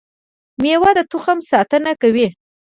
مېوه د تخم ساتنه کوي